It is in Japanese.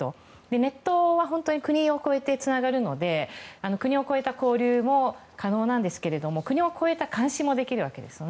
ネットは国を超えてつながるので国を超えた交流も可能なんですけれども国を越えた監視もできるわけです。